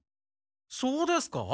そうですか？